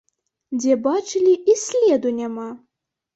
Дзе бачылі, і следу няма!